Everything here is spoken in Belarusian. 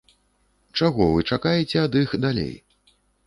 Чаго вы чакаеце ад іх далей?